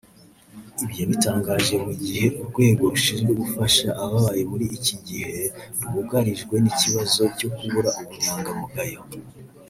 Ibi yabitangaje mu gihe urwego rushinzwe gufasha ababaye muri iki gihe rwugarijwe n’ ikibazo cyo kubura ubunyangamugayo